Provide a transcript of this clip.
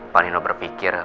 pak nino berpikir